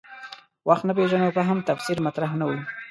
وخت نه پېژنو فهم تفسیر مطرح نه و.